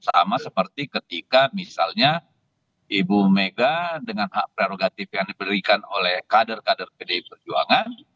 sama seperti ketika misalnya ibu mega dengan hak prerogatif yang diberikan oleh kader kader pdi perjuangan